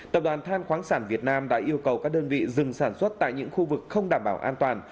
tập đoàn than khoáng sản việt nam đã yêu cầu các đơn vị dừng sản xuất tại những khu vực không đảm bảo an toàn